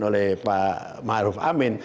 oleh pak maruf amin